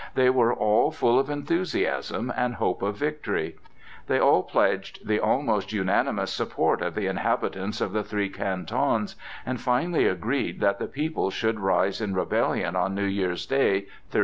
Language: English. They were all full of enthusiasm and hope of victory. They all pledged the almost unanimous support of the inhabitants of the three Cantons, and finally agreed that the people should rise in rebellion on New Year's Day, 1308.